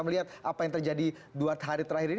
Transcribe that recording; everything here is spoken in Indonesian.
melihat apa yang terjadi dua hari terakhir ini